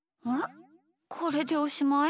これでおしまい？